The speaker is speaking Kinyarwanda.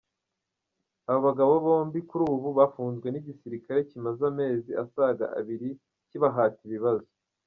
Aba bagabo bombi kuri ubu bafunzwe n’igisirikare kimaze amezi asaga abiri kibahata ibibazo.